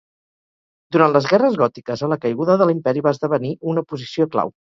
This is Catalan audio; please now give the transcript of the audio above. Durant les guerres gòtiques a la caiguda de l'Imperi va esdevenir una posició clau.